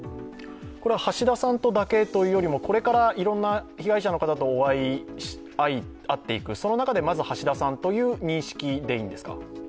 これは橋田さんとだけというよりも、これからいろんな被害者の方と会っていく、その中でまず橋田さんという認識でいいんですか？